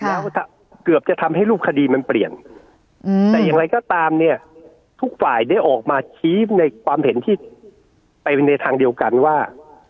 แล้วเกือบจะทำให้รูปคดีมันเปลี่ยนแต่อย่างไรก็ตามเนี่ยทุกฝ่ายได้ออกมาชี้ในความเห็นที่ไปในทางเดียวกันว่า